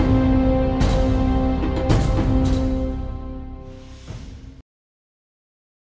ที่สุดท้ายที่สุดท้าย